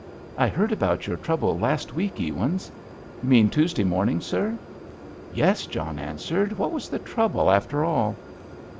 "I heard about your trouble last week, Ewins." "You mean Tuesday morning, sir?" "Yes," John answered. "What was the trouble after all?"